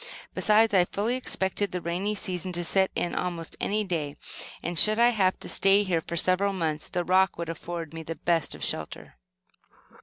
Besides, I fully expected the rainy season to set in almost any day, and should I have to stay here for several months, the rock would afford me the best of shelter.